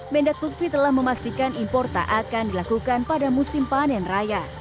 mendak lutfi telah memastikan impor tak akan dilakukan pada musim panen raya